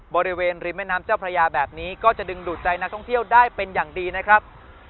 บริเวณริมแม่น้ำเจ้าพระยาแบบนี้ก็จะดึงดูดใจนักท่องเที่ยวได้เป็นอย่างดีนะครับ